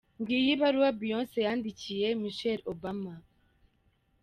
Ngiyo ibaruwa Beyonce yandikiye Michelle Obama.